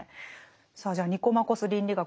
さあじゃあ「ニコマコス倫理学」